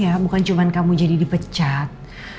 ya bukan cuma kamu jadi dipecat